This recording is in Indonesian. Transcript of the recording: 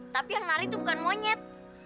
tapi yang nari tuh bukan monyet